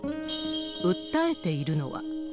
訴えているのは。